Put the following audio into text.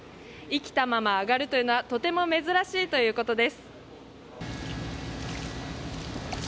生きたまま揚がるというのはとても珍しいということです。